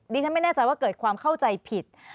ฉันไม่แน่ใจว่าเกิดความเข้าใจผิด